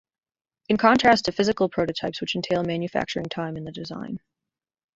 In contrast to physical prototypes, which entail manufacturing time in the design.